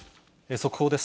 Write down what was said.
速報です。